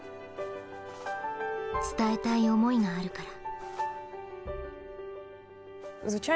伝えたい思いがあるから。